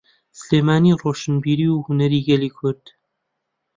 سلێمانی ڕۆشنبیری و هونەری گەلی کورد.